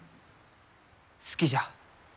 好きじゃ。